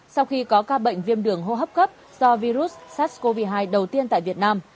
sau khi có ca bệnh viêm đường hô hấp cấp do virus sars cov hai đầu tiên tại việt nam